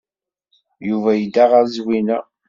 Yuba yedda ɣer Zwina.